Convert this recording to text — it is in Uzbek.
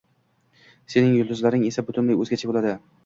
Sening yulduzlaring esa butunlay o‘zgacha bo‘ladi...